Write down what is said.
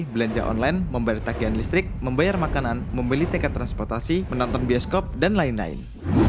belanja online memberi tagihan listrik membayar makanan membeli tiket transportasi menonton bioskop dan lain lain